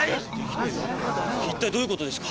一体どういうことですか？